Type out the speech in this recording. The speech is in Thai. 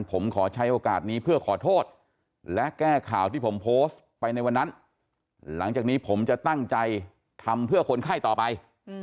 ผมขอใช้โอกาสนี้เพื่อขอโทษและแก้ข่าวที่ผมโพสต์ไปในวันนั้นหลังจากนี้ผมจะตั้งใจทำเพื่อคนไข้ต่อไป